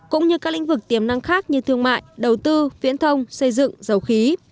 cũng như các lĩnh vực tiềm năng khác như thương mại đầu tư viễn thông xây dựng dầu khí